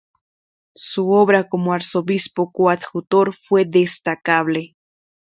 Su obra como arzobispo coadjutor fue destacable.